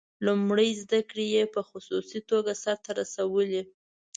لومړنۍ زده کړې یې په خصوصي توګه سرته رسولې وې.